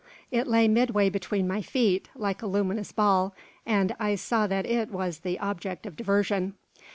It lay midway between my feet, like a luminous ball, and I saw that it was the object of diversion.